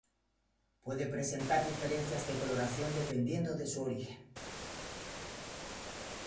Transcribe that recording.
Puede presentar diferencias de coloración dependiendo de su origen.